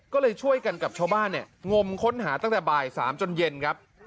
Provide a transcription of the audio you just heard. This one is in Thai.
ก็เลยช่วยกันกับชาวบ้านเนี่ยงมค้นหาตั้งแต่บ่าย๓จนเย็นครับ